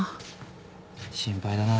心配だな。